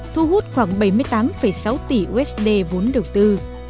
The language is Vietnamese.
thu hút khoảng bảy mươi tám sáu tỷ usd vốn đầu tư